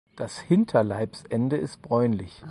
Das Hinterleibsende ist bräunlich.